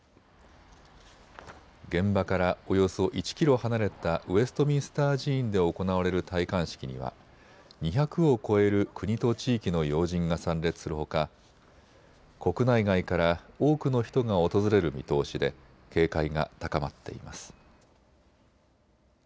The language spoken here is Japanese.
現場からおよそ１キロ離れたウェストミンスター寺院で行われる戴冠式には２００を超える国と地域の要人が参列するほか、国内外から多くの人が訪れる見通しで警戒が高まっています。